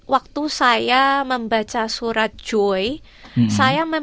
waktu saya membaca surat joy